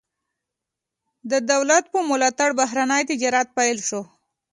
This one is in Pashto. د دولت په ملاتړ بهرنی تجارت پیل شو.